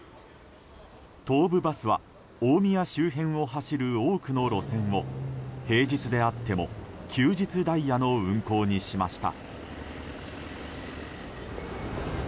東武バスは大宮周辺を走る多くの路線を平日であっても休日ダイヤの運行にしました。